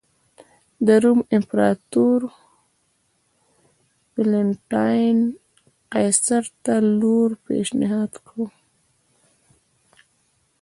د روم امپراتور والنټیناین قیصر ته لور پېشنهاد کړه.